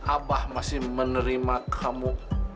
abah masih menerima kamu